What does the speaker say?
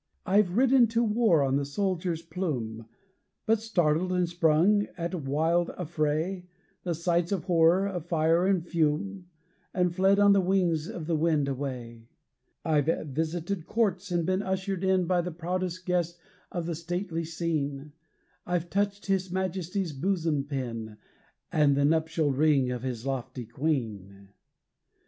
I've ridden to war on the soldier's plume; But startled and sprung, at the wild affray, The sights of horror of fire and fume; And fled on the wings of the wind away. I've visited courts, and been ushered in By the proudest guest of the stately scene; I've touched his majesty's bosom pin, And the nuptial ring of his lofty queen.